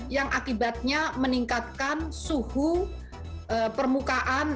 yang akibatnya meningkatkan suhu permukaan